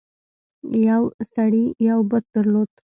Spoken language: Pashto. یو سړي یو بت درلود.